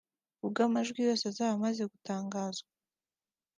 ubwo amajwi yose azaba amaze gutangazwa